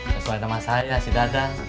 sesuai sama saya si dadang